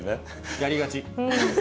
やりがち。